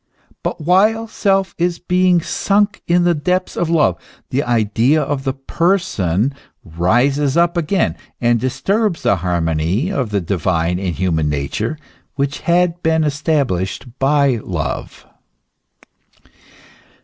But while Self is being sunk in the depths of love, the idea of the Person rises up again and dis turbs the harmony of the divine and human nature which had been established by love.